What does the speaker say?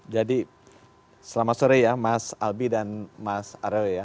jadi selamat sore ya mas albi dan mas arewe